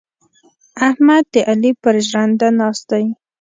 احمد د علي پر ژرنده ناست دی.